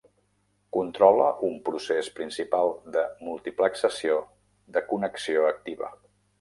Controla un procés principal de multiplexació de connexió activa.